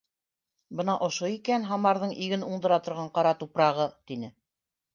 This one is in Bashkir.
— Бына ошо икән Һамарҙың иген уңдыра торған ҡара тупрағы, — тине.